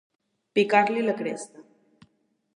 Picar-li la cresta.